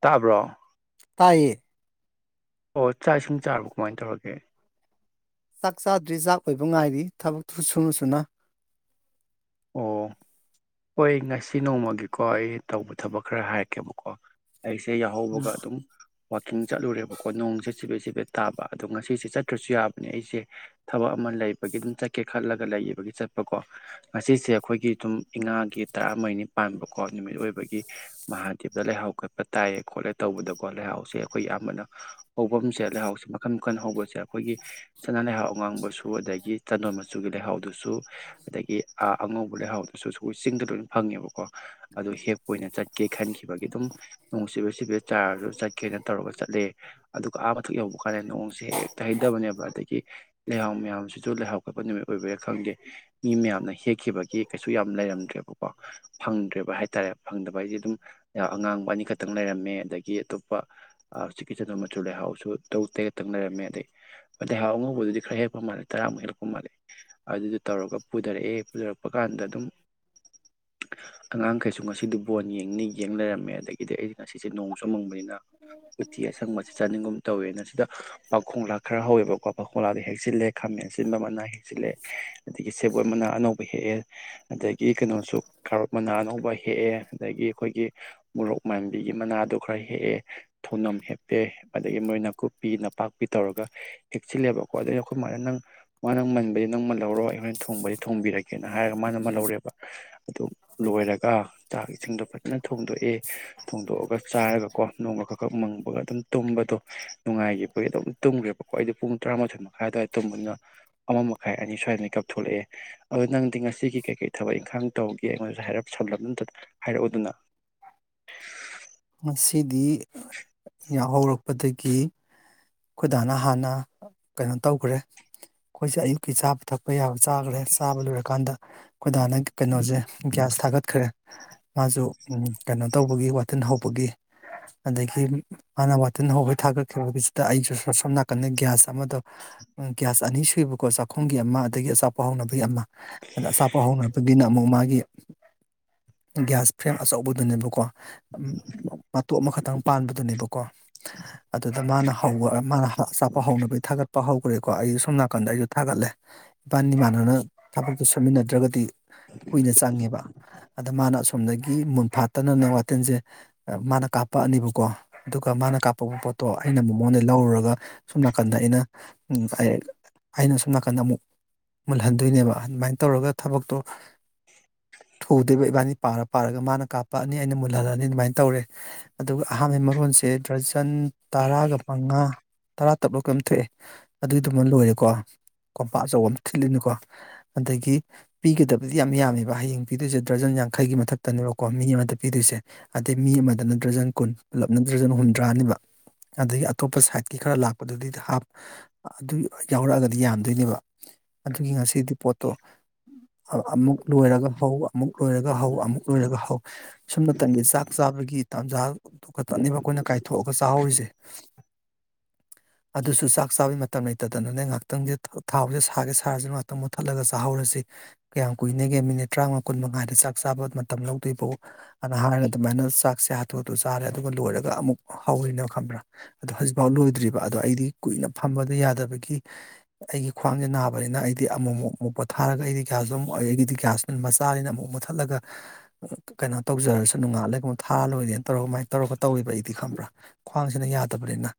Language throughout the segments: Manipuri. ꯇꯥꯕ꯭ꯔꯣ ꯇꯥꯏꯌꯦ ꯑꯣ ꯆꯥꯛ ꯏ ꯁꯨꯝ ꯆꯥꯔꯕ ꯀꯃꯥꯏ ꯇꯧꯔꯒꯦ ꯆꯥꯛ ꯆꯥ ꯗ꯭ꯔꯤꯖꯥꯕ ꯑꯣꯏꯕ ꯉꯥꯏꯔꯤ ꯊꯕꯛꯇꯨ ꯁꯨꯅꯨꯁꯨꯅ ꯑꯣ ꯍꯣꯏ ꯉꯁꯤ ꯅꯣꯡꯃꯒꯤꯀꯣ ꯑꯩ ꯇꯧꯕ ꯊꯕꯛ ꯈꯔ ꯍꯥꯏꯔꯛꯀꯦꯕꯀꯣ ꯂꯥꯏꯔꯤꯛꯁꯦ ꯎꯝ ꯌꯥꯎꯍꯧꯕꯒ ꯑꯗꯨꯝ ꯋꯥꯋꯥꯛꯀꯤꯡ ꯆꯠꯂꯨꯔꯦꯕꯀꯣ ꯅꯣꯡ ꯆꯠꯁꯤꯕꯩ ꯁꯤꯗ ꯇꯥꯕ ꯑꯗꯣ ꯉꯁꯤꯁꯦ ꯆꯠꯇ꯭ꯔꯁꯨ ꯌꯥꯕꯅꯦ ꯑꯩꯁꯦ ꯊꯕꯛ ꯑꯃ ꯂꯩꯕꯒꯤ ꯑꯗꯨꯝ ꯆꯠꯀꯦ ꯈꯜꯂꯒ ꯂꯩꯕꯒꯤ ꯆꯠꯄꯀꯣ ꯉꯁꯤꯁꯦ ꯑꯩꯈꯣꯏꯒꯤ ꯑꯗꯨꯝ ꯏꯉꯥꯒꯤ ꯇꯔꯥꯃꯔꯤꯅꯤ ꯄꯥꯟꯕꯀꯣ ꯅꯨꯃꯤꯠ ꯑꯣꯏꯕꯒꯤ ꯃꯍꯥꯛꯀꯤ ꯤꯞꯗ ꯂꯩꯍꯥꯎ ꯀꯣꯠꯄ ꯇꯥꯏꯌꯦ ꯈꯣꯠꯂꯦ ꯇꯧꯕꯗꯀꯣ ꯂꯩꯍꯥꯎꯁꯦ ꯑꯩꯈꯣꯏ ꯑꯌꯥꯝꯕꯅ ꯍꯧꯐꯝꯁꯦ ꯂꯩꯍꯥꯎꯁꯦ ꯃꯈꯐꯝ ꯋꯥ ꯀꯟ ꯍꯧꯕꯁꯦ ꯑꯩꯈꯣꯏꯒꯤ ꯆꯅꯥ ꯂꯩꯍꯥꯎ ꯑ ꯉꯥꯡꯕꯁꯨ ꯑꯗꯒꯤ ꯆꯗꯣꯟ ꯃꯆꯨꯒꯤ ꯂꯩꯍꯥꯎꯗꯨꯁꯨ ꯑꯗꯒꯤ ꯑꯉꯧꯕ ꯂꯩꯍꯥꯎꯗꯨꯁꯨ ꯁꯣꯏ ꯆꯤꯡꯗ ꯂꯣꯏꯅ ꯐꯪꯉꯦꯕꯀꯣ ꯑꯗꯨ ꯍꯦꯞꯄ ꯑꯣꯏꯅ ꯆꯠ ꯆꯠ ꯀꯦ ꯈꯟꯈꯤꯕꯒꯤ ꯑꯗꯨꯝ ꯅꯨꯡꯁꯤꯕ ꯁꯤꯕꯤ ꯆꯥꯔꯁꯨ ꯆꯠꯀꯦꯅ ꯇꯧꯔꯒ ꯆꯠꯂꯦ ꯑꯗꯨꯒ ꯑꯥ ꯃꯊꯛ ꯌ ꯑꯣꯀꯦ ꯅꯣꯡꯁꯦ ꯇꯥꯍꯩꯗꯕꯅꯦꯕ ꯑꯗꯒꯤ ꯂꯩꯍꯥꯎ ꯃꯌꯥꯝꯁꯤꯁꯨ ꯂꯩꯍꯥꯎ ꯀꯠꯄ ꯅꯨꯃꯤꯠ ꯑꯣꯏꯕꯔꯥ ꯈꯪꯗꯦ ꯃꯤ ꯃꯌꯥꯝꯅ ꯀꯈꯤꯕꯒꯤ ꯀꯩꯁꯨ ꯌꯥꯝ ꯂꯩꯔꯝꯗ꯭ꯔꯦꯕꯀꯣ ꯐꯪꯗ꯭ꯔꯦꯕ ꯍꯥꯏꯇꯥꯔꯦ ꯐꯪꯗꯕ ꯍꯥꯏꯁꯦ ꯑꯗꯨꯝ ꯑꯉꯥꯡꯕ ꯑꯅꯤꯈꯛꯇꯪ ꯂꯩꯔꯝꯃꯦ ꯑꯗꯒꯤ ꯑꯇꯣꯞꯄ ꯆꯤꯀꯤ ꯆꯟ ꯃꯆꯨ ꯂꯩꯍꯥꯎꯁꯨ ꯇꯧ ꯇꯩꯒꯛꯇꯪ ꯂꯩꯔꯝꯃꯦ ꯑꯗꯩ ꯑꯗ ꯂꯩꯍꯥꯎ ꯑꯉꯧꯕꯗꯨꯗꯤ ꯈꯔ ꯍꯦꯛꯄ ꯃꯥꯂꯦ ꯇꯔꯥ ꯀꯨꯝꯔ ꯑꯗꯨꯗ ꯇꯧꯔꯒ ꯄꯨꯊꯔꯛꯑꯦ ꯎꯖꯔꯛꯄ ꯀꯥꯟꯗ ꯑꯗꯨꯝ ꯑꯉꯥꯡꯈꯩꯁꯨ ꯉꯁꯤꯗꯤ ꯕꯣꯟ ꯌꯦꯡꯅꯩ ꯌꯦꯡ ꯂꯩꯔꯝꯃꯦ ꯑꯗꯒꯤꯗꯤ ꯑꯩ ꯉꯁꯤꯁꯦ ꯅꯣꯡ ꯆꯨꯃꯪꯕꯅꯤꯅ ꯎꯇꯤ ꯑꯁꯪꯕ ꯑꯁꯤ ꯆꯥꯅꯤꯡꯒꯨꯝ ꯇꯧꯋꯦꯅ ꯁꯤꯗ ꯄꯥꯈꯣꯡꯂꯥ ꯈꯔ ꯍꯧꯋꯦꯕꯀꯣ ꯄꯥꯈꯣꯡꯂꯥꯗ ꯍꯦꯛꯆꯜꯂꯦ ꯈ ꯟꯕ ꯑꯃꯅꯥ ꯍꯦꯟꯜꯂꯛꯦ ꯑꯗꯒꯤ ꯁꯦꯞ ꯑꯃꯅ ꯑꯅꯧꯕ ꯍꯦꯛꯑꯦ ꯑꯗꯒꯤ ꯀꯩꯅꯣꯁꯨ ꯀꯥꯔꯛ ꯃꯅꯥ ꯑꯅꯧꯕ ꯍꯦꯛꯑꯦ ꯑꯗꯒꯤ ꯑꯩꯈꯣꯏꯒꯤ ꯃꯣꯔꯣꯛ ꯄꯥꯥꯟꯕꯤꯒꯤ ꯃꯅꯥꯗ ꯈꯔ ꯍꯦꯛꯑꯦ ꯊꯧꯅꯝ ꯍꯦꯞꯄꯦ ꯑꯗꯒꯤ ꯃꯣꯏ ꯅꯥꯀꯨꯞꯄꯤ ꯅꯄꯥꯛꯄꯤ ꯇꯧꯔꯒ ꯍꯦꯛꯆꯤꯜꯂꯦꯕꯀꯣ ꯑꯗꯩ ꯑꯩꯈꯣꯏ ꯃꯥꯅ ꯅꯪ ꯃꯥ ꯅꯪ ꯃꯟꯕꯁ ꯅꯪ ꯃꯜꯍꯧꯔꯣ ꯑꯩꯈꯣꯏ ꯊꯣꯡꯕꯗꯤ ꯊꯣꯡꯕꯤꯔꯒꯦ ꯀꯅꯣ ꯍꯥꯏꯔꯒ ꯃꯥꯅ ꯑꯃ ꯂꯧꯔꯦꯕ ꯑꯗꯨ ꯂꯣꯏꯔꯒ ꯆꯥꯛ ꯏꯁꯤꯡꯗꯣ ꯐꯖꯅ ꯊꯣꯡꯗꯣꯛꯑꯦ ꯐꯣꯡꯗꯣꯛꯑꯒ ꯆꯥꯏꯔꯒ ꯀꯣ ꯅꯣꯡꯃ ꯈꯛ ꯈꯛ ꯃꯪꯕꯒ ꯑꯗꯨꯝ ꯇꯨꯝꯕꯗꯣ ꯅꯨꯡꯉꯥꯏꯈꯤꯕꯒꯤ ꯑꯗꯨꯝ ꯇꯨꯝꯒ ꯣ ꯑꯩ ꯄꯨꯡ ꯇꯔꯥꯃꯊꯣꯏ ꯃꯈ ꯑꯗꯨꯋꯥꯏ ꯇꯅ ꯑꯃ ꯃꯈꯥꯏ ꯑꯅꯤ ꯁ꯭ꯋꯥꯏꯗ ꯀꯥꯊꯂꯛꯑꯦ ꯑꯗꯨ ꯅꯪꯗꯤ ꯉꯁꯤꯒꯤ ꯀꯩꯀꯩ ꯊꯕꯛ ꯏꯪꯈꯥꯡ ꯇꯧꯒꯦ ꯑꯩꯉꯣꯟꯗꯁꯨ ꯍꯥꯏꯞ ꯁꯝꯂꯞꯗꯨꯝꯇ ꯍꯥꯏꯔꯛꯎꯗꯨꯅ [unintelligible] ꯁꯤꯗꯤ ꯌꯥꯎꯍꯧꯔꯛꯄꯗꯒꯤ ꯑꯩꯈꯣꯏꯗꯥꯅ ꯍꯥꯟꯅ ꯀꯩꯅꯣ ꯇꯧꯈ꯭ꯔꯦ ꯑꯩꯈꯣꯏꯁꯦ ꯑꯌꯨꯛꯀꯤ ꯆꯥꯕ ꯊꯛ ꯑꯩꯈꯣꯏꯌꯥ ꯆꯥꯈ꯭ꯔꯦ ꯆꯥꯕ ꯂꯣꯏꯔꯀꯥꯟꯗ ꯑꯩꯣꯏꯗꯥꯅ ꯀꯩꯅꯣꯁꯦ ꯒ꯭ꯌꯥꯁ ꯊꯥꯒꯠꯈ꯭ꯔꯦ ꯃꯥꯁꯨ ꯀꯩꯅꯣ ꯇꯧꯕꯒꯤ ꯋꯥꯊꯤꯟ ꯍꯧꯕꯒꯤ ꯑꯗꯒꯤ ꯍꯅ ꯋꯥꯇꯜ ꯍꯈꯣꯏ ꯊꯥꯒꯠꯈꯤꯕꯒꯤꯁꯤꯗ ꯑꯩꯁꯨ ꯁꯣꯝ ꯅꯥꯀꯟꯗ ꯒ꯭ꯌꯥꯁ ꯑꯃꯗꯣ ꯒ꯭ꯌꯥꯁ ꯑꯅꯤ ꯁꯨꯏꯕꯀꯣ ꯆꯥꯛꯈꯨꯝꯒꯤ ꯑꯃ ꯑꯗꯒꯤ ꯑꯆꯥꯄꯥꯎꯅꯕꯒꯤ ꯑꯃ ꯑꯗ ꯁꯥꯄ ꯍꯧꯅꯒꯤꯅ ꯑꯃꯨꯛ ꯃꯥꯒꯤ ꯒ꯭ꯌꯥꯁ ꯐ꯭ꯔꯦꯝ ꯑꯆꯧꯕꯗꯨꯅꯦꯕꯀꯣ ꯃꯇꯣꯞ ꯑꯃꯈꯛꯇꯪ ꯄꯥꯟꯕꯗꯨꯅꯦꯕꯀꯣ ꯑꯗꯨꯗ ꯃꯥꯅ ꯍꯧꯕ ꯃꯥꯅ ꯆꯥꯄ ꯍꯧꯅꯕꯩ ꯊꯥꯒꯠꯄ ꯎꯔꯦꯀꯣ ꯑꯩ ꯁꯣꯝ ꯅꯥꯀꯟꯗ ꯑꯩꯁꯨ ꯊꯥꯒꯠꯂꯦ ꯏꯄꯥ ꯏꯃꯥꯟꯅꯅ ꯊꯕꯛꯇꯨ ꯁꯟꯃꯤꯟꯅꯗ꯭ꯔꯒꯗꯤ ꯀꯨꯏꯅ ꯆꯪꯉꯦꯕ ꯑꯗ ꯃꯥꯅ ꯑꯁꯣꯝꯗꯒꯤ ꯃꯨꯟꯐꯥꯠꯇꯅꯅ ꯋꯥꯇꯜꯁꯦ ꯃꯥꯅ ꯀꯥꯞꯄꯛꯑꯅꯤꯕꯀꯣ ꯑꯗꯨꯒ ꯃꯥꯅ ꯀꯥꯞꯄ ꯄꯣꯠꯇꯣ ꯑꯩꯅ ꯃꯉꯣꯟꯗ ꯂꯧꯔꯨꯔꯒ ꯁꯣꯝ ꯅꯥꯀꯟꯗ ꯑꯩꯅ ꯑꯩꯅ ꯁꯁꯨꯝꯝ ꯅꯥꯀꯟꯗ ꯑꯃꯨꯛ ꯃꯨꯜꯍꯟꯗꯣꯏꯅꯦꯕ ꯑꯗꯨꯃꯥꯏꯅ ꯇꯧꯔꯒ ꯊꯕꯛꯇꯣ ꯊꯨꯗꯣꯏꯕ ꯏꯕꯥꯅꯤ ꯄꯥꯔ ꯄꯥꯔꯒ ꯃꯥꯅ ꯀꯥꯞꯛꯑꯅꯤ ꯑꯩꯅ ꯃꯨꯜꯍꯜꯂꯅꯤ ꯑꯗꯨꯃꯥꯏꯅ ꯇꯧꯔꯦ ꯑꯗꯨꯒ ꯑꯍꯥꯟꯕ ꯃꯔꯣꯟꯁꯦ ꯗ꯭ꯔꯖꯟ ꯇꯔꯥꯒ ꯃꯉꯥ ꯇꯔꯥ ꯇꯞꯂꯣ ꯀꯩꯝ ꯊꯣꯛꯑꯦ ꯑꯗꯨꯒꯤꯗꯨꯃ ꯂꯣꯏꯔꯦꯀꯣ ꯀꯝꯄꯥ ꯑꯆꯧꯕ ꯑꯃ ꯊꯤꯜꯂꯅꯤꯨꯀꯣ ꯑꯗꯒꯤ ꯄꯤꯒꯗꯕꯗꯤ ꯌꯥꯝ ꯌꯥꯝꯃꯦꯕ ꯍꯌꯦꯡ ꯄꯤꯗꯣꯏꯁꯦ ꯗ꯭ꯔꯖꯟ ꯌꯥꯡꯈꯩꯒꯤ ꯃꯊꯛꯇꯅꯦꯕꯀꯣ ꯃꯤ ꯑꯃꯗ ꯄꯤꯗꯣꯏꯁꯦ ꯑꯗꯩ ꯃꯤ ꯑꯃꯗ ꯅꯠꯇ꯭ꯔꯖꯪ ꯀꯨꯟ ꯄꯨꯂꯞ ꯅꯠꯇ꯭ꯔꯖꯪ ꯍꯨꯝꯗ꯭ꯔꯥꯅꯤꯕ ꯑꯗꯒꯤ ꯑꯇꯣꯞꯄ ꯁꯥꯏꯠꯀꯤ ꯈꯔ ꯂꯥꯛꯄꯗꯨꯗꯤ ꯍꯥꯞ ꯑꯗꯨ ꯌꯥꯎꯔꯛꯑꯒꯗꯤ ꯌꯥꯝꯗꯣꯏꯅꯦꯕ ꯑꯗꯨꯒꯤ ꯉꯁꯤꯗꯤ ꯄꯣꯠꯇꯣ ꯑꯃꯨꯛ ꯂꯣꯏꯔꯒ ꯍꯧ ꯑꯃꯨꯛ ꯂꯣꯏꯔꯒ ꯍꯧ ꯑꯃꯨꯛ ꯂꯣꯏꯔꯒ ꯍꯧ ꯁꯨꯝ ꯃꯇꯝꯇꯒꯤ ꯆꯥꯛ ꯆꯥꯕꯒꯤ ꯇꯥꯟꯖꯥꯈꯛꯇꯅꯦꯕ ꯑꯩꯈꯣꯏꯅ ꯀꯥꯏꯊꯣꯛꯑꯒ ꯆꯥꯍꯧꯔꯤꯁꯦ [unintelligible] ꯑꯗꯨꯁꯨ ꯆꯥꯛ ꯆꯥꯕꯩ ꯃꯇꯝ ꯂꯩꯇꯗꯅꯅꯦ ꯉꯥꯏꯍꯥꯛꯇꯪꯗꯤ ꯊꯥꯎꯁꯦ ꯁꯥꯒꯦ ꯁꯥꯔꯁꯤꯅ ꯉꯍꯥꯛꯇꯪ ꯃꯨꯠꯊꯠꯂꯒ ꯆꯥꯍꯧꯔꯁꯤ ꯀꯌꯥꯝ ꯀꯨꯏꯅꯒꯦ ꯃꯤꯅꯤꯠ ꯇꯔꯥꯃꯥ ꯀꯨꯟ ꯃꯉꯥꯗ ꯆꯥꯛ ꯆꯥꯕ ꯃꯇꯝ ꯂꯧꯗꯣꯏꯕꯣ ꯑꯗꯨꯅ ꯍꯥꯏꯔꯒ ꯑꯗꯨꯃꯥꯏꯅ ꯆꯥꯛꯁꯦ ꯍꯥꯊꯨ ꯍꯥꯊꯨ ꯆꯥꯔꯦ ꯑꯗꯨꯒ ꯂꯣꯏꯔꯒ ꯑꯃꯨꯛ ꯍꯧꯋꯅ ꯈꯪꯕ꯭ꯔꯥ ꯑꯗꯣ ꯍꯧꯖꯤꯛꯐꯥꯎ ꯂꯣꯏꯗ꯭ꯔꯤꯕ ꯑꯗꯣ ꯑꯩꯗꯤ ꯀꯨꯏꯅ ꯐꯝꯕꯗ ꯌꯥꯗꯕꯒꯤ ꯑꯩꯒꯤ ꯈ꯭ꯋꯥꯡꯁꯦ ꯅꯥꯕꯅꯤꯅ ꯑꯩꯗꯤ ꯑꯃꯨꯛꯃꯨꯛ ꯑꯃꯨꯛ ꯄ ꯊꯥꯔ ꯃ ꯃꯨꯊꯠ ꯀꯩꯅ ꯇ ꯅꯨꯡꯉꯥꯜꯂꯒꯨꯝꯕ ꯊꯥꯔ ꯂꯣꯏꯔꯦꯅ ꯇꯧꯔꯒ ꯀꯃꯥꯏꯅ ꯇꯧꯔꯒ ꯇꯧꯔꯤꯕ ꯑꯩꯗꯤ ꯈꯪꯕ꯭ꯔꯥ ꯈ꯭ꯋꯥꯡꯁꯤꯅ ꯌꯥꯗꯕꯅꯤꯅ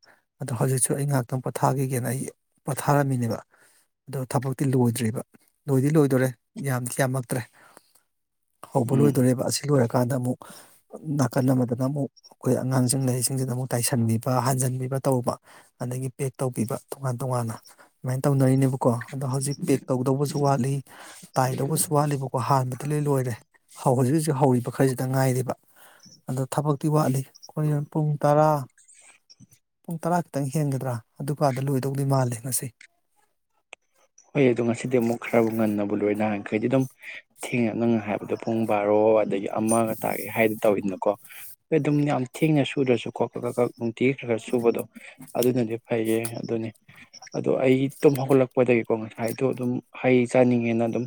ꯍꯧꯖꯤꯛꯁꯨ ꯑꯩ ꯉꯍꯥꯛꯇꯪ ꯄꯣꯊꯥꯈꯤꯒꯦꯅ ꯑꯩ ꯄꯣꯊꯥꯔꯝꯃꯤꯅꯦꯕ ꯑꯗꯣ ꯊꯕꯛꯇꯤ ꯂꯣꯏꯗ꯭ꯔꯤꯕ ꯂꯣꯏꯗꯤ ꯂꯣꯏꯗꯣꯔꯦ ꯌꯥꯝꯗꯤ ꯌꯥꯝꯃꯛꯇ꯭ꯔꯦ ꯍꯧꯕ ꯎꯝ ꯂꯣꯏꯗꯣꯔꯦꯕ ꯑꯁꯤ ꯂꯣꯏꯔꯀꯥꯟꯗ ꯑꯃꯨꯛ ꯅꯥꯀꯟ ꯑꯃꯗꯅ ꯑꯃꯨꯛ ꯑꯩꯈꯣꯏ ꯑꯉꯥꯡꯁꯤꯡ ꯂꯩꯥꯏꯔꯤꯛꯁꯤꯡꯁꯤꯗ ꯑꯃꯨꯛ ꯇꯥꯏꯁꯟꯕꯤꯕ ꯍꯟꯖꯟꯕꯤꯕ ꯇꯧꯕ ꯑꯗꯒꯤ ꯄꯦꯛ ꯇꯧꯕꯤꯕ ꯇꯣꯉꯥꯟ ꯇꯣꯉꯥꯟꯅ ꯑꯗꯨꯃꯥꯏꯅ ꯇꯧꯅꯔꯤꯅꯦꯕꯀꯣ ꯑꯗꯣ ꯍꯧꯖꯤꯛ ꯄꯦꯛ ꯇꯧꯗꯧꯕꯁꯨ ꯋꯥꯠꯂꯤ ꯇꯥꯏꯗꯧꯕꯁꯨ ꯋꯥꯠꯂꯤꯕꯀꯣ ꯍꯥꯟꯕꯗꯤ ꯂꯣꯏ ꯂꯣꯏꯔꯦ ꯍꯧꯖꯤꯛ ꯍꯧꯖꯤꯛ ꯍꯧꯔꯤꯕ ꯈꯔꯁꯤꯗ ꯗ ꯉꯥꯏꯔꯤꯕ ꯑꯗꯣ ꯊꯕꯛꯇꯤ ꯋꯥꯠꯂꯤ ꯑꯩꯈꯣꯏ ꯄꯨꯡ ꯇꯔꯥ ꯄꯨꯡ ꯇꯔꯥ ꯈꯤꯇꯪ ꯍꯦꯟꯒꯗ꯭ꯔꯥ ꯑꯗꯨꯀꯗ ꯂꯣꯏꯗꯧꯗꯤ ꯃꯥꯜꯂꯦ ꯉꯁꯤ ꯍꯣꯏ ꯑꯗꯣ ꯉꯁꯤꯗꯤ ꯑꯃꯨꯛ ꯈꯔꯕꯨ ꯉꯟꯅꯕ ꯂꯣꯏꯅꯍꯈꯩꯗꯤ ꯑꯗꯨꯝ ꯊꯦꯡꯅ ꯅꯪꯉꯥꯏ ꯍꯥꯏꯕꯗꯣ ꯄꯨꯡ ꯕꯥꯔꯣ ꯑꯗꯒꯤ ꯑꯃꯒ ꯇꯥꯒꯦ ꯍꯥꯏꯗꯤ ꯇꯧꯋꯤꯗꯅꯀꯣ ꯑꯗꯨꯝ ꯌꯥꯝ ꯊꯦꯡ ꯏꯤꯡꯅ ꯁꯨꯗ꯭ꯔꯁꯨ ꯈꯣꯠꯀ ꯀꯛꯀ ꯅꯨꯡꯇꯤ ꯈꯔꯒ ꯁꯨꯕꯗꯣ ꯑꯗꯨꯅꯗꯤ ꯐꯩꯌꯦ ꯑꯗꯨꯅꯤ ꯑꯣ ꯑꯩ ꯑꯗꯨꯝ ꯍꯧꯒꯠꯂꯛꯄꯗꯒꯤ ꯀꯣ ꯉꯁꯥꯏꯗꯣ ꯑꯗꯨꯝ ꯍꯩ ꯆꯥꯅꯤꯡꯉꯦꯅ ꯑꯗꯨꯝ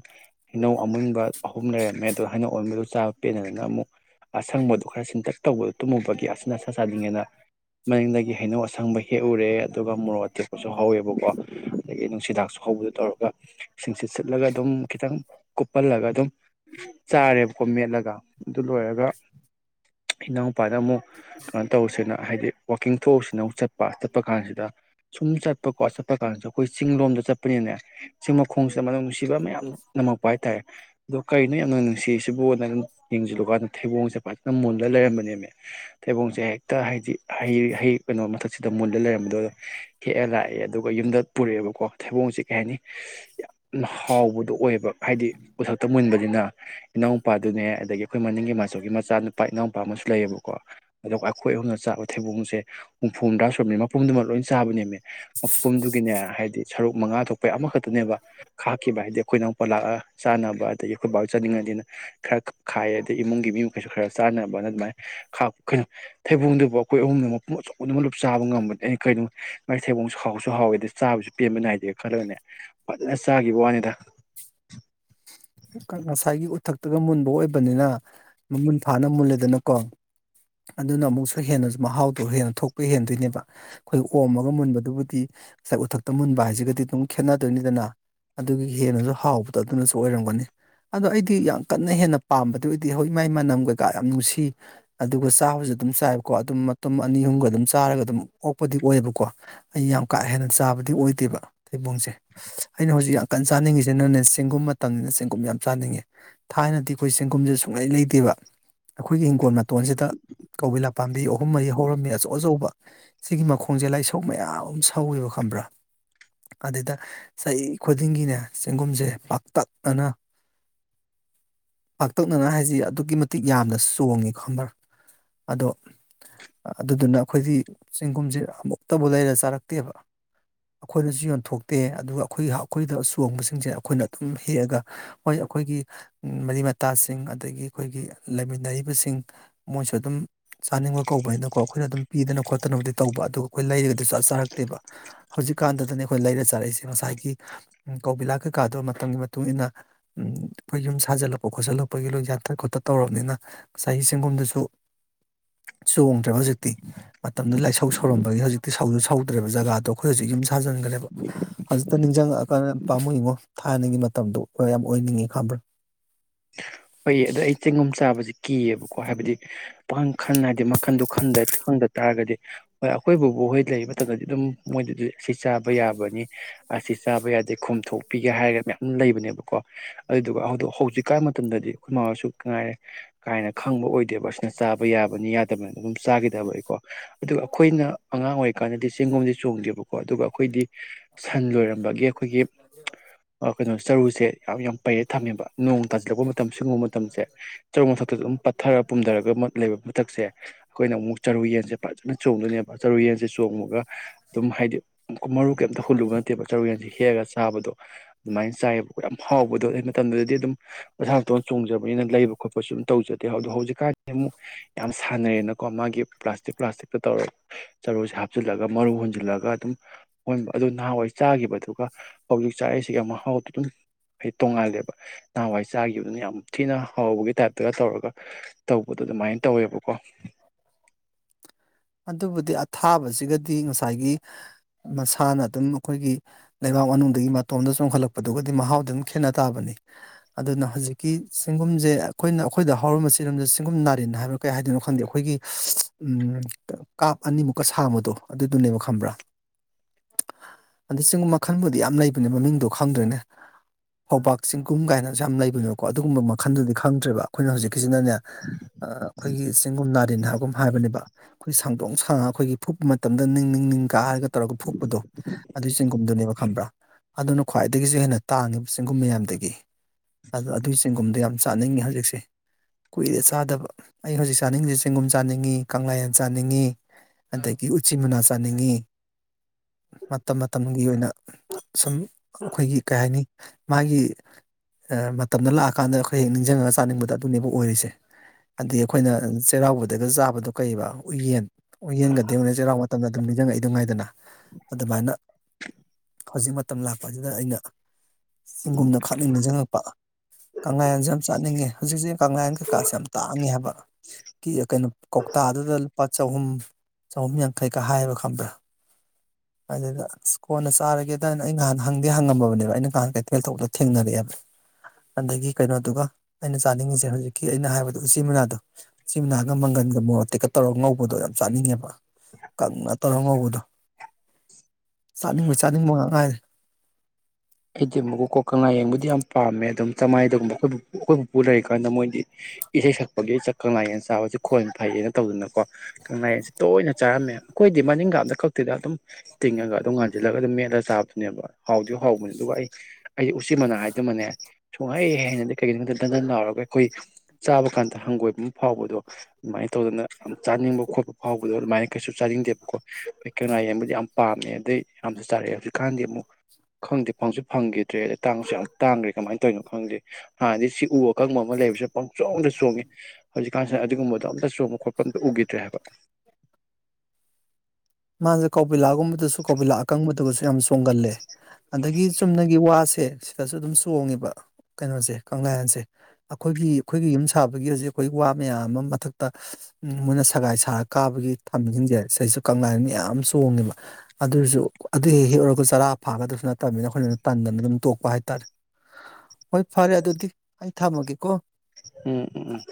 ꯍꯩꯅꯧ ꯑꯃꯨꯟꯕ ꯑꯍꯨꯝ ꯂꯩꯔꯝꯃꯦ ꯑꯣ ꯍꯥꯏꯩꯅꯟꯕꯗ ꯆꯥꯕ ꯄꯦꯟꯅꯗꯅ ꯑꯃꯨꯛ ꯑꯁꯪꯕꯗꯨꯣ ꯈꯔ ꯁꯤꯟꯇꯛ ꯇꯧꯕꯗꯣ ꯇꯨꯝꯃꯨꯕꯒꯤ ꯑꯁ ꯑꯁꯥ ꯆꯅꯤꯡꯉꯅ ꯃꯅꯤꯡꯗꯒꯤ ꯍꯩꯅꯧ ꯑꯁꯪꯕ ꯍꯦꯛꯎꯔꯦ ꯑꯗꯨꯒ ꯃꯣꯔꯣꯛ ꯑꯇꯦꯛꯄꯁꯨ ꯍꯧꯋꯦꯕꯀꯣ ꯑꯗꯒꯤ ꯅꯨꯡꯁꯤꯗꯥꯛꯁꯨ ꯐꯧꯕꯗꯨ ꯇꯧꯔꯒ ꯁꯤꯡꯁꯤꯠ ꯆꯠꯂꯒ ꯑꯗꯨꯝ ꯈꯤꯇꯪ ꯀꯨꯞꯍꯜꯂꯒ ꯑꯗꯨꯝ ꯆꯥꯔꯦꯕ ꯃꯦꯠꯂꯒ ꯑꯗꯨ ꯂꯣꯏꯔꯒ ꯏꯅꯥꯎꯄꯥꯗ ꯑꯃꯨꯛ ꯀꯩꯅꯣ ꯇꯧꯁꯤꯅ ꯍꯥꯏꯗꯤ ꯋꯥꯛꯀꯤꯡ ꯊꯣꯛꯎꯁꯤꯅ ꯑꯃꯨꯛ ꯆꯠꯄ ꯆꯠꯄ ꯀꯥꯟꯁꯤꯗ ꯁꯨꯝ ꯆꯠꯄꯀꯣ ꯆꯠꯄ ꯀꯥꯟꯗ ꯑꯩꯈꯣꯏ ꯆꯤꯡ ꯂꯣꯝꯗ ꯆꯠꯄ ꯅꯤꯅꯦ ꯁꯤꯨꯝ ꯃꯈꯣꯡꯁꯤꯗ ꯃꯔꯝ ꯅꯨꯡꯁꯤꯕ ꯃꯌꯥꯝ ꯅꯝꯃꯛꯄ ꯍꯥꯏꯇꯥꯔꯦ ꯑꯗꯣ ꯀꯔꯤꯅꯣ ꯌꯥꯝꯅ ꯅꯨꯡꯁꯤꯁꯤꯕꯨ ꯅ ꯑꯗꯨꯝ ꯌꯦꯡꯁꯤꯜꯂꯨꯀꯥꯟꯗ ꯊꯩꯕꯣꯡꯁꯦ ꯐꯖꯅ ꯃꯨꯜꯂꯒ ꯂꯩꯔꯝꯕꯅꯦꯕ ꯇꯩꯕꯣꯡꯁꯦ ꯍꯦꯛꯇ ꯍꯥꯏ ꯍꯧꯛ ꯍꯩ ꯍꯩ ꯀꯩꯅꯣ ꯃꯊꯛꯁꯤꯗ ꯃꯨꯟꯗ ꯂꯩꯔꯝꯕꯗ ꯍꯦꯛꯑꯦ ꯂꯥꯛꯑꯦ ꯑꯗꯨꯒ ꯌꯨꯝꯗ ꯄꯨꯔꯛꯑꯦꯕꯀꯣ ꯊꯩꯕꯣꯡꯁꯦ ꯀꯩ ꯍꯥꯏꯅꯤ ꯌꯥꯝꯅ ꯍꯥꯎꯕꯗꯣ ꯑꯣꯏꯕ ꯍꯥꯏꯗꯤ ꯎꯊꯛꯇ ꯃꯨꯟꯕꯅꯤꯅ ꯏꯅꯥꯎꯄꯥꯗꯨꯅꯦ ꯑꯗꯒꯤ ꯑꯩꯈꯣꯏ ꯃꯅꯤꯡꯒꯤ ꯃꯆꯧꯒꯤ ꯃꯆꯥ ꯅꯨꯨꯄꯥ ꯏꯅꯥꯎꯄꯥ ꯑꯃꯁꯨ ꯂꯩꯌꯦꯕꯀꯣ ꯑꯗꯨꯒꯗ ꯑꯩꯈꯣꯏ ꯑꯍꯨꯝꯅ ꯆ ꯊꯩꯕꯣꯡꯁꯦ ꯍꯨꯝꯐꯨ ꯍꯨꯝꯗ꯭ꯔꯥ ꯁꯨꯕꯅꯤ ꯃꯄꯨꯝꯗꯨꯃ ꯂꯣꯏ ꯆꯥꯕꯅꯦꯃꯦ ꯃꯄꯐꯝꯗꯨꯒꯤꯅꯦ ꯍꯥꯏꯗꯤ ꯁꯔꯨꯛ ꯃꯉꯥ ꯊꯣꯛꯄꯩ ꯑꯃꯈꯛꯇꯅꯦꯕ ꯈꯥꯛꯈꯤꯕ ꯍꯥꯏꯗꯤ ꯑꯩꯈꯣꯏꯅ ꯑꯃꯨꯛ ꯄ ꯂꯥꯛꯑꯒ ꯆꯥꯅꯕ ꯑꯗꯒꯤ ꯑꯩꯈꯣꯏ ꯥꯎ ꯆꯥꯅꯤꯡꯉꯥꯏ ꯈꯔ ꯈꯥꯏ ꯑꯗꯩ ꯏꯃꯨꯡꯒꯤꯩ ꯈꯔ ꯆꯥꯅꯕꯅ ꯑꯗꯨꯃꯥꯏꯅ ꯊꯩꯕ ꯕꯨ ꯑꯩꯈꯣꯏ ꯑꯍꯨꯝꯅ ꯃꯄꯨꯡ ꯑꯆꯧꯕ ꯑꯗꯨꯅ ꯂꯨꯞ ꯆꯥꯕ ꯉꯝꯕꯅꯤ ꯑꯩ ꯀꯩꯅꯣ ꯃꯒꯤ ꯊꯩꯕꯣꯡꯁꯨ ꯍꯥꯎꯕꯁꯨ ꯍꯥꯎꯋꯦ ꯑ ꯆꯥꯕꯁꯨ ꯄꯦꯟꯕ ꯅꯥꯏꯗꯦ ꯈꯜꯂꯒꯅꯦ ꯐꯖꯅ ꯆꯥꯈꯤꯕ ꯋꯥꯅꯤꯗ ꯉꯁꯥꯏꯒꯤ ꯎꯊꯛꯇꯒ ꯃꯨꯟꯕ ꯑꯣꯏꯕꯅꯤꯅ ꯃꯃꯨꯟ ꯐꯥꯅ ꯃꯨꯜꯂꯦꯗꯅꯀꯣ ꯑꯗꯨꯅ ꯑꯃꯨꯛꯁꯨ ꯍꯦꯟꯅ ꯃꯍꯥꯎꯗꯣ ꯍꯦꯟꯅ ꯊꯣꯛꯄ ꯍꯦꯟꯗꯣꯏꯅꯦꯕ ꯑꯩꯈꯣꯏ ꯑꯣꯝꯃꯒ ꯃꯨꯟꯕꯗꯨꯕꯨꯗꯤ ꯉꯁꯥꯏ ꯎꯊꯛꯇ ꯃꯨꯟꯕ ꯍꯥꯏꯁꯤꯒꯗꯤ ꯑꯗꯨꯝ ꯈꯦꯠꯅꯗꯣꯏꯅꯤꯗꯅ ꯑꯗꯨꯒꯤ ꯍꯦꯟꯅꯁꯨ ꯍꯥꯎꯕꯗꯣ ꯑꯗꯨꯅꯁꯨ ꯑꯣꯏꯔꯝꯒ ꯑꯃꯅꯤ ꯑꯗꯣ ꯑꯩꯗꯤ ꯌꯥꯝ ꯀꯟꯅ ꯍꯦꯟꯅ ꯄꯥꯝꯕꯗꯨ ꯑꯣꯏꯗꯤ ꯍꯈꯣꯏ ꯃꯥꯏ ꯃꯅꯝ ꯀꯩꯀꯥ ꯌꯥꯝ ꯅꯨꯡꯁꯤ ꯑꯗꯨꯒ ꯆꯥꯕꯁꯨ ꯑꯗꯨꯝ ꯆꯥꯏꯕꯀꯣ ꯑꯗꯨꯝ ꯃꯇꯝ ꯑꯅꯤ ꯑꯍꯨꯝꯒ ꯑꯗꯨꯝ ꯆꯥꯔꯒ ꯑꯗꯨꯝ ꯑꯣꯛꯄꯗꯤ ꯑꯣꯏꯌꯦꯕꯀꯣ ꯑꯩ ꯌꯥꯝ ꯀꯥ ꯍꯦꯟꯅ ꯆꯥꯕ ꯑꯣꯏꯗꯦꯕꯩꯕꯨꯡꯁꯦ ꯑꯩꯅ ꯍꯧꯖꯤꯛ ꯌꯥꯝ ꯀꯟꯅ ꯆꯥꯅꯤꯡꯉꯁꯤꯦꯅꯅꯦ ꯆꯦꯡꯒꯨꯝ ꯃꯇꯝꯅꯤꯗ ꯆ ꯆꯦꯡꯒꯨꯝ ꯌꯥꯝ ꯆꯥꯅꯤꯡꯉꯦ ꯊꯥꯏꯅꯗꯤ ꯑꯩꯈꯣꯏ ꯆꯦꯡꯒꯨꯝꯁꯦ ꯁꯨꯡꯂꯩ ꯂꯩꯇꯦꯕ ꯑꯩꯈꯣꯏꯒꯤ ꯍꯤꯡꯒꯣꯜ ꯃꯇꯣꯟꯁꯤꯗ ꯀꯧꯕꯤ ꯂꯥ ꯄꯥꯝꯕꯤ ꯑꯍꯨꯝ ꯃꯔꯤ ꯍꯧꯔꯝꯃꯤ ꯑꯆꯧ ꯑꯆꯧꯕ ꯁꯤꯒꯤ ꯃꯈꯣꯡꯁꯦ ꯂꯥꯏꯁꯧ ꯃꯌꯥꯝ ꯑꯃ ꯁꯧꯋꯦꯕ ꯈꯝꯕ꯭ꯔꯥ ꯑꯗꯨꯗ ꯆꯍꯤ ꯈꯨꯗꯤꯡꯒꯤꯅꯦ ꯆꯦꯡꯒꯨꯝꯁꯦ ꯄꯥꯛꯇꯛꯅꯅ [unintelligible] ꯄꯥꯛꯇꯛꯅꯅ ꯍꯥꯏꯁꯤ ꯑꯗꯨꯛꯀꯤ ꯃꯇꯤꯛ ꯌꯥꯝꯅ ꯆꯣꯡꯉꯤꯀꯣꯝꯕꯔ ꯑꯗꯣ ꯑꯗꯨꯗꯨꯅ ꯑꯩꯈꯣꯏꯗꯤ ꯆꯤꯡꯒꯨꯝꯁꯦ ꯑꯃꯨꯛꯇꯕꯨ ꯂꯩꯔ ꯆꯥꯔꯛꯇꯦꯕ ꯑꯩꯈꯣꯏꯅꯁꯨ ꯌꯣꯟꯊꯣꯛꯇꯦ ꯑꯗꯨꯒ ꯑꯩꯈꯣꯏ ꯑꯩꯈꯣꯏꯗ ꯆꯣꯡꯕꯁꯤꯡꯁꯦ ꯑꯩꯈꯣꯏꯅ ꯑꯗꯨꯝ ꯍꯦꯛꯑꯒ ꯍꯣꯏ ꯑꯩꯈꯣꯏꯒꯤ ꯃꯔꯤ ꯃꯇꯥꯁꯤꯡ ꯑꯗꯒꯤ ꯑꯩꯈꯣꯏꯒꯤ ꯂꯩꯃꯤꯟꯅꯔꯤꯕꯁꯤꯡ ꯃꯣꯏꯁꯨ ꯑꯗꯨꯝ ꯆꯥꯅꯤꯡꯕ ꯀꯧꯕ ꯍꯥꯏꯅꯀꯣ ꯑꯩꯈꯣꯏꯅ ꯑꯗꯨꯝ ꯄꯤꯗꯅ ꯈꯣꯠꯇꯅꯕꯨꯗꯤ ꯇꯧꯕ ꯑꯗꯨꯒ ꯑꯩꯈꯣꯏ ꯂꯩꯔꯒꯗꯤ ꯆꯥ ꯆꯥꯔꯛꯇꯦꯕ ꯍꯧꯖꯤꯛꯀꯥꯟꯗꯅꯦ ꯑꯩꯈꯣꯏ ꯂꯩꯔ ꯆꯥꯔꯛꯏꯁꯦ ꯉꯁꯥꯏꯒꯤ ꯀꯧꯕꯤꯂꯥ ꯀꯩꯀꯥꯗꯨꯣ ꯃꯇꯝꯒꯤ ꯃꯇꯨꯡ ꯏ ꯃꯇꯨꯡꯏꯟꯅ [unintelligible] ꯑꯩꯈꯣꯏ ꯌꯨꯝ ꯁꯥꯖꯤꯜꯂꯛꯄ ꯈꯣꯠꯆꯜꯂꯛꯄꯒꯤ ꯂꯣꯏ ꯌꯥꯟꯊ ꯈꯣꯠꯇ ꯇꯧꯔꯕꯅꯤꯅ ꯆꯍꯤ ꯁꯦꯡꯒꯣꯝꯗꯁꯨ ꯆꯣꯡꯗ꯭ꯔꯦꯕ ꯍꯧꯖꯤꯛꯇꯤ ꯃꯇꯝꯗꯨ ꯂꯥꯏꯁꯧ ꯁꯧꯔꯝꯕꯒꯤ ꯍꯧꯖꯤꯛꯇꯤ ꯁꯧꯗ꯭ꯔꯦꯕ ꯖꯒꯥꯗꯣ ꯑꯩꯈꯣꯏ ꯍꯧꯖꯤꯛ ꯌꯨꯝ ꯊꯥꯖꯤꯟꯈ꯭ꯔꯦꯕ ꯍꯖꯤꯛꯇ ꯅꯤꯡꯁꯤꯡꯉꯛꯑꯀꯥꯟꯗ ꯄꯥꯝꯃꯏꯉꯣ ꯊꯥꯏꯅꯒꯤ ꯃꯇꯝꯗꯣ ꯍꯣꯏ ꯌꯥꯝ ꯑꯣꯏꯅꯤꯡꯉꯦ ꯈꯪꯕ꯭ꯔꯥ ꯐꯩ ꯑꯗ ꯑꯩ ꯆꯦꯡꯒꯨꯝ ꯆꯥꯕꯁꯤ ꯀꯤꯌꯦꯕꯀꯣ ꯍꯥꯏꯕꯗꯤ ꯄꯈꯟ ꯍꯥꯏꯗꯤ ꯃꯈꯟꯗ ꯈꯪꯗ ꯇꯥꯔꯒꯗꯤ ꯍꯣꯏ ꯑꯩꯈꯣꯏꯕꯨ ꯍꯣꯏ ꯂꯩ ꯃꯇꯝꯗꯗꯤ ꯑꯗꯨꯝ ꯃꯣꯏꯗꯗꯤ ꯑꯁꯤ ꯆꯥꯕ ꯌꯥꯕꯅꯤ ꯑꯁꯤ ꯆꯥꯕ ꯌꯥꯗꯦ ꯈꯣꯝꯊꯣꯛꯄꯤꯒꯦ ꯍꯥꯏ ꯍꯥꯏꯔꯒ ꯃꯌꯥꯝ ꯂꯩꯕꯅꯦꯕꯀꯣ ꯑꯗꯨꯗꯨꯒ ꯍꯧꯖꯤꯛ ꯀꯥꯏꯕ ꯃꯇꯝꯗꯗꯤ ꯑꯩꯈꯣꯏ ꯃꯥꯁꯨ ꯀꯥꯏꯔꯦ ꯀꯥꯏꯅ ꯈꯪꯕ ꯑꯣꯏꯗꯦꯕ ꯑꯁꯤꯅ ꯆꯥꯕ ꯌꯥꯕꯅꯤ ꯌꯥꯗꯕꯅꯤꯅ ꯑꯗꯨꯝ ꯆꯥꯒꯗꯕꯩꯀꯣ ꯑꯗꯨꯒ ꯑꯩꯈꯣꯏꯅ ꯑꯉꯥꯡ ꯑꯣꯏꯔꯤꯀꯥꯟꯗꯗꯤ ꯆꯦꯡꯒꯨꯝꯝꯗꯤ ꯆꯣꯡꯗꯦꯕꯀꯣ ꯑꯗꯨꯒ ꯑꯩꯈꯣꯏꯗꯤ ꯁꯟ ꯂꯣꯏꯔꯝꯕꯒꯤ ꯑꯩꯈꯣꯏꯒꯤ ꯀꯩꯅꯣ ꯆꯔꯨꯁꯦ ꯌꯥꯝ ꯌꯥꯝ ꯄꯩꯔꯦ ꯊꯝꯃꯦꯕ ꯅꯣꯡ ꯃꯇꯝꯕ ꯃꯇꯝꯁꯦ ꯆ ꯃꯊꯛꯇꯊꯊꯔꯒ ꯂꯩ ꯃꯊꯛꯁꯦ ꯑꯩꯈꯣꯏꯅꯨ ꯆꯔꯨ ꯌꯦꯟꯁꯦ ꯐꯖꯅ ꯆꯣꯡꯗꯅꯦꯕ ꯆꯔꯨ ꯌꯦꯟꯁꯦ ꯆꯣꯡꯉꯒ ꯑꯗꯨꯝ ꯍꯥꯏꯗꯤ ꯑꯃꯨꯛ ꯃꯔꯨ ꯀꯩꯝꯇ ꯍꯨꯜꯂꯨꯕ ꯅꯠꯇꯦ ꯆꯔꯨ ꯌꯦꯟꯁꯤ ꯍꯦꯛꯑꯒ ꯆꯥꯕꯗꯣ ꯑꯗꯨꯃꯥꯏꯅ ꯆꯥꯏꯌꯦꯕꯣꯠ ꯌꯥꯝ ꯍꯥꯎꯕꯗꯣ ꯑꯗꯨ ꯃꯇꯝꯗꯨꯗꯗꯤ ꯑꯗꯨꯝ ꯃꯁꯥ ꯃꯧꯅ ꯆꯣꯡꯖꯕꯅꯤꯅ ꯂꯩꯕ ꯈꯣꯠꯄꯁꯨ ꯑꯗꯨꯝ ꯇꯧꯖꯗꯦ ꯑꯗꯨꯣ ꯍꯧꯖꯤꯛꯀꯥꯟꯗꯤ ꯑꯃꯨꯛ ꯌꯥꯝ ꯁꯥꯟꯅꯔꯦꯅ ꯀꯣ ꯃꯥꯒꯤ ꯄ꯭ꯂꯥꯁꯇꯤꯛ ꯄ꯭ꯂꯥꯁꯇꯤꯛꯇ ꯇꯧꯔꯒ ꯆꯔꯨꯁꯦ ꯍꯥꯞꯆꯤꯜꯂꯒ ꯃꯔꯨ ꯍꯨꯟꯖꯤꯜꯂꯒ ꯑꯗꯨꯝꯣꯏ ꯑꯗꯨ ꯅꯍꯥꯟꯋꯥꯏ ꯆꯥꯈꯤꯕꯗꯨ ꯍꯧꯖꯤꯛ ꯆꯥꯔꯛꯏꯁꯤꯒ ꯃꯍꯥꯎꯗꯨꯣ ꯑꯗꯨꯝ ꯍꯥꯏꯗꯤ ꯇꯣꯡꯉꯥꯜꯂꯦꯕ ꯅꯍꯥꯟꯋꯥꯏ ꯆꯥꯈꯤꯕꯗꯨꯅ ꯌꯥꯝ ꯊꯤꯅ ꯍꯥꯎꯕꯒꯤ ꯇꯥꯏꯞꯇꯒ ꯇꯧꯔꯒ ꯇꯧꯕꯗꯣ ꯑꯗꯨꯃꯥꯏꯅ ꯇꯧꯋꯦꯕꯀꯣ [unintelligible] ꯑꯗꯨꯕꯨꯗꯤ ꯑꯊꯥꯕꯁꯤꯒꯗꯤ ꯉꯁꯥꯏꯒꯤ ꯃꯁꯥꯅ ꯑꯗꯨꯝ ꯑꯩꯈꯣꯏꯒꯤ ꯂꯩꯕꯥꯛ ꯃꯅꯨꯡꯗꯒꯤꯒꯤ ꯃꯇꯣꯝꯗ ꯆꯣꯡꯈꯠꯂꯛꯄꯗꯨꯒꯗꯤ ꯃꯍꯥꯎꯗ ꯑꯗꯨꯝ ꯈꯦꯠꯅ ꯇꯥꯕꯅꯤ ꯑꯗꯨꯅ ꯍꯧꯖꯤꯛꯀꯤ ꯆꯦꯡꯒꯨꯝꯁꯦ ꯑꯩꯈꯣꯏꯅ ꯑꯩꯈꯣꯏꯗ ꯍꯧꯔꯝꯕ ꯆꯔꯝꯗ ꯆꯤꯡꯒꯨꯝ ꯔꯦ ꯍꯥꯏꯕꯥ ꯀꯩ ꯍꯥꯏꯗꯅꯣ ꯈꯪꯗꯦꯣ ꯑꯩꯈꯣꯏꯒꯤ ꯀꯥꯞ ꯑꯅꯤꯃꯨꯛꯀ ꯁꯥꯡꯕꯗꯣ ꯑꯗꯨꯗꯨꯅꯦꯕ ꯈꯪꯕ꯭ꯔꯥ ꯑꯗ ꯆꯤꯡꯒꯨꯝꯕ ꯃꯈꯜꯕꯨꯗꯤ ꯌꯥꯝ ꯂꯩꯕꯅꯦ ꯃꯃꯤꯡꯗꯣ ꯈꯪꯗ꯭ꯔꯔꯤꯅꯦ ꯍꯧꯕꯥꯛ ꯆꯤꯡꯒꯨꯝ ꯀꯥꯏꯅꯁꯨ ꯌꯥꯝ ꯂꯩꯕꯅꯦꯕꯀꯣ ꯑꯗꯨꯒꯨꯝꯕ ꯃꯈꯜꯗꯨꯗꯤ ꯈꯪꯗ꯭ꯔꯦꯕ ꯑꯩꯈꯣꯏꯅ ꯍꯧꯖꯤꯛ ꯀꯁꯤꯅꯅꯦ ꯑꯩꯈꯣꯏꯒꯤ ꯆꯦꯡꯒꯨꯝ ꯅꯥꯔꯤꯟ ꯍꯥꯏꯕꯒꯨꯝ ꯍꯥꯏꯕꯅꯦꯕ ꯑꯩꯈꯣꯏ ꯁꯥꯡꯗꯣꯡ ꯁ ꯑꯩꯈꯣꯏꯒꯤ ꯐꯨꯨꯞꯄ ꯃꯇꯝꯗ ꯅꯤꯡ ꯅꯤꯡ ꯅꯤꯡ ꯀꯥ ꯍꯥꯏꯔꯒ ꯇꯧꯔꯒ ꯐꯨꯨꯞꯄꯗꯣ ꯑꯗꯨꯏ ꯆꯤꯡꯒꯨꯝꯗꯨꯅꯦꯕ ꯈꯕ꯭ꯔꯥ ꯑꯗꯨꯅ ꯈ꯭ꯋꯥꯏꯗꯒꯤꯁꯨ ꯍꯦꯟꯅ ꯇꯥꯡꯉꯤꯕ ꯁꯤꯒꯨꯝ ꯃꯌꯥꯝꯗꯒꯤ ꯑꯗꯣ ꯑꯗꯨꯒꯤ ꯆꯦꯡꯒꯨꯝꯗꯣ ꯌꯥꯝ ꯆꯥꯅꯤꯡꯉꯤ ꯍꯧꯖꯤꯛꯁꯦ ꯀꯨꯏꯔꯦ ꯆꯥꯗꯕ ꯑꯩ ꯍꯧꯖꯤꯛ ꯆꯥꯅꯤꯡꯗꯦ ꯁꯦꯡꯒꯨꯝ ꯆꯥꯅꯤꯡꯉꯤ ꯀꯪꯂꯥꯌꯥꯟ ꯆꯥꯅꯤꯡꯉꯤ ꯑꯗꯒꯤ ꯎꯆꯤ ꯃꯨꯅꯥ ꯆꯥꯅꯤꯡꯏꯤ ꯃꯇꯝ ꯃꯇꯝꯒꯤ ꯑꯣꯏꯅ ꯁꯨꯝ ꯑꯩꯈꯣꯏꯒꯤ ꯀꯩ ꯍꯥꯏꯅꯤ ꯃꯥꯒꯤ ꯃꯇꯝꯗ ꯂꯥꯛꯑꯀꯥꯟꯗ ꯑꯩꯈꯣꯏ ꯍꯦꯛ ꯅꯤꯡꯁꯤꯡꯉꯒ ꯆꯥꯅꯤꯡꯕꯗ ꯑꯗꯨꯅꯦꯕ ꯑꯣꯏꯔꯤꯁꯦ ꯑꯗꯤ ꯑꯩꯈꯣꯏꯅ ꯆꯩꯔꯥꯎꯕꯗꯒ ꯆꯥꯕꯗꯣ ꯀꯩꯕ ꯎꯌꯦꯟ ꯎꯌꯦꯟꯒꯗꯕꯅ ꯆꯩꯔꯥꯎꯕ ꯃꯇꯝꯗ ꯑꯗꯨꯝ ꯅꯤꯡꯁꯤꯡꯪꯉꯛꯏ ꯑꯗꯨꯅꯨꯡ ꯉꯥꯏꯗꯅ ꯑꯗꯨꯃꯥꯏꯅ ꯍꯧꯖꯤꯛ ꯃꯇꯝ ꯂꯥꯛꯄꯁꯤꯗ ꯑꯩꯅ ꯒꯨꯝꯅ ꯈꯥꯅꯤꯡꯅ ꯆꯪꯉꯛꯄ ꯀꯪꯂꯟꯁꯦ ꯌꯥꯝ ꯆꯥꯅꯤꯡꯉꯦ ꯍꯧꯖꯤꯛꯁꯦ ꯀꯪꯂꯥꯟ ꯀꯩꯀꯥꯁꯦ ꯌꯥꯝ ꯇꯥꯡꯉꯤ ꯍꯥꯏꯕ ꯀꯩꯅꯣ ꯀꯧꯇꯥꯗꯨꯗ ꯂꯨꯄꯥ ꯆꯍꯨꯝ ꯆꯍꯨꯝ ꯌꯥꯡꯈꯩꯒ ꯍꯥꯏꯕ ꯈꯪꯕ꯭ꯔꯥ ꯑꯗꯨꯗ ꯑ ꯀꯣꯟꯅ ꯆꯥꯔꯒꯦ ꯑꯗꯨꯅ ꯑꯩ ꯉꯍꯥꯟ ꯍꯪꯗꯦ ꯍꯪꯉꯝꯃꯕꯅꯦꯕ ꯑꯩꯅ ꯉꯍꯥꯟ ꯀꯩꯊꯦꯜ ꯊꯣꯛꯇ ꯊꯦꯡꯅꯔꯛꯑꯦꯕ ꯑꯗꯒꯤ ꯀꯩꯅꯣꯗꯨꯒ ꯑꯩꯅ ꯆꯥꯅꯤꯡꯉꯤꯁꯦ ꯍꯧꯖꯤꯛꯀꯤ ꯑꯩꯅ ꯍꯥꯏꯕꯗ ꯎꯆꯤ ꯃꯅꯥꯗꯣ ꯎꯆꯤ ꯃꯅꯥꯒ ꯃꯪꯒꯜ ꯇꯤꯀꯠ ꯇꯧꯔ ꯉꯧꯕꯗꯣ ꯌꯥꯝ ꯆꯥꯅꯤꯡꯉꯦꯕ ꯀꯪꯅ ꯇꯧꯔ ꯉꯧꯕꯗꯣ ꯆꯥꯅꯤꯡꯕ ꯆꯥꯅꯤꯡꯕ ꯉꯥꯡꯉꯥꯏ ꯑꯩꯗꯤ ꯑꯃꯨꯛꯀ ꯀꯣ ꯀꯪꯂꯥ ꯌꯦꯡꯕꯗꯤ ꯌꯥꯝ ꯄꯥꯝꯃꯦ ꯑꯗꯨꯝ ꯇꯃꯥꯏꯗꯒꯨꯝꯕ ꯑꯩꯈꯣꯏ ꯑꯩꯈꯣꯏ ꯄꯨꯄꯨ ꯂꯩꯔꯤꯀꯥꯟꯗ ꯃꯣꯏꯗꯤ ꯏꯁꯩ ꯁꯛꯄꯒꯤ ꯀꯪꯂꯥ ꯌꯦꯟ ꯆꯥꯕꯁꯤ ꯈꯣꯟ ꯐꯩꯌꯦꯅ ꯇꯧꯗꯅꯀꯣ ꯀꯪꯂꯥ ꯌꯦꯟꯁꯁꯤꯦ ꯇꯣꯏꯅ ꯆꯥꯔꯝꯃꯦꯕ ꯑꯩꯈꯣꯏꯗꯤ ꯃꯅꯤꯡ ꯀꯥꯞꯝꯗ ꯈꯛꯇꯤꯗ ꯑꯗꯨꯝ ꯇꯤꯡꯉꯒ ꯑꯗꯨꯝ ꯉꯥꯟꯁꯤꯜꯂꯒ ꯑꯗꯨꯝ ꯃꯦꯠꯂ ꯆꯥꯕꯗꯨꯅꯦꯕ ꯍꯥꯎꯗꯤ ꯍꯥꯎꯕꯅꯤ ꯑꯗꯨꯒ ꯑꯩ ꯑꯩꯗꯤ ꯎꯆꯤ ꯃꯅꯥ ꯍꯥꯏꯗꯃꯅꯦ ꯁꯨꯡꯍꯥꯏꯦ ꯍꯥꯏꯅꯗꯤ ꯀꯩꯒꯤꯅꯣ ꯈꯗ ꯅꯟꯗꯟ ꯂꯥꯎꯔꯒ ꯑꯩꯈꯣꯏ ꯆꯥꯕ ꯀꯥꯟꯗ ꯍꯪꯒꯣꯏꯕ ꯑꯃ ꯐꯥꯎꯕꯗꯣ ꯑꯗꯨꯃꯥꯏꯅ ꯇꯧꯗꯅ ꯆꯥꯅꯤꯡꯕ ꯈꯣꯠꯄ ꯐꯥꯎꯕꯗꯣ ꯑꯗꯨꯃꯥꯏꯅ ꯀꯩꯁꯨ ꯆꯥꯅꯤꯡ ꯗꯦꯣ ꯑꯩ ꯀꯪꯂꯥ ꯌꯦꯡꯕꯗꯤ ꯌꯥꯝ ꯄꯥꯝꯃꯦ ꯑꯗꯩ ꯌꯥꯝꯁꯨ ꯆꯥꯔꯛꯑꯦ ꯍꯧꯖꯤꯛꯀꯥꯟꯗꯤ ꯑꯃꯨꯛ ꯈꯪꯗꯦ ꯪꯁꯨ ꯐꯪꯈꯤꯗ꯭ꯔꯦ ꯑꯗꯩ ꯇꯥꯡꯁꯨ ꯌꯥꯝ ꯇꯥꯡꯈ꯭ꯔꯦ ꯀꯃꯥꯏꯅ ꯇꯧꯔꯤꯅꯣ ꯈꯪꯗꯦ ꯍꯥꯟꯗꯤ ꯁꯤ ꯎ ꯑꯀꯪꯕ ꯑꯃ ꯂꯩꯕꯁꯤꯁꯦ ꯆꯣꯡꯗ ꯆꯣꯡꯏꯤ ꯍꯧꯖꯤꯛꯀꯥꯟꯁꯤꯗ ꯑꯗꯨꯒꯨꯝꯕꯗꯣ ꯑꯝꯇ ꯆꯣꯡꯕ ꯈꯣꯠꯄ ꯑꯝꯇ ꯎꯈꯤꯗ꯭ꯔꯦ ꯍꯥꯏꯕ [inaudible] ꯃꯥꯖꯨ ꯀꯧꯕꯤꯂꯥꯒꯨꯝꯕꯗꯁꯨ ꯀꯧꯕꯤꯂꯥ ꯑꯀꯪꯕꯗꯒꯁꯨ ꯌꯥꯝ ꯆꯣꯡꯒꯜꯂꯦ ꯑꯗꯒꯤ ꯆꯨꯝꯅꯒꯤ ꯋꯥꯁꯦ ꯁꯤꯗꯁꯨ ꯑꯗꯨꯝ ꯆꯣꯡꯉꯦꯕ ꯀꯩꯅꯣꯁꯦ ꯀꯪꯂꯥꯌ‌ꯦꯟꯁ‌ꯦ ꯑꯩꯈꯣꯏꯒꯤ ꯑꯩꯈꯣꯏꯒꯤ ꯌꯨꯝ ꯁꯥꯕꯒꯤ ꯍꯧꯖꯤꯛ ꯑꯩꯈꯣꯏ ꯋꯥ ꯃꯌꯥꯝ ꯑꯃ ꯃꯊꯛꯇ ꯃꯣꯏꯅ ꯁꯒꯥꯏ ꯁꯥꯔꯒ ꯀꯥꯕꯒꯤ ꯊꯝꯃꯤꯖꯤꯡꯖ‌ꯦ ꯁꯤꯁꯨ ꯀꯪꯂꯥꯌ‌ꯦꯟꯗꯤ ꯌꯥꯝ ꯆꯣꯡꯉꯦꯕ ꯑꯗꯨꯏꯑꫭꯏꯔꯥꯖꯨ ꯑꯗꯨꯏꯗꫭ ꯍꯦꯛꯎꯔꯒ ꯆꯥꯔꯥ ꯐꯥꯒꯗꯕꯁꯨ ꯅꯠꯇꯕꯅꯤꯅ ꯑꯩꯈꯣꯏꯅ ꯇꯥꯟ ꯑꯗꯨꯅ ꯑꯗꯨꯝ ꯇꯣꯛꯄ ꯍꯥꯏꯇꯥꯔꯦ ꯍꯣꯏ ꯐꯔꯦ ꯑꯗꯨꯗꯤ ꯑꯩ ꯊꯝꯃꯥꯒꯦꯀꯣ ꯎꯝ ꯎꯝ ꯎꯝ